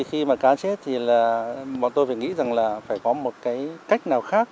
khi mà cá chết thì bọn tôi phải nghĩ rằng là phải có một cách nào khác